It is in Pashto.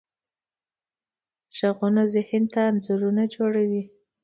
غږونه ذهن ته انځورونه جوړوي.